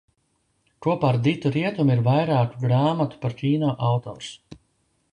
Kopā ar Ditu Rietumu ir vairāku grāmatu par kino autors.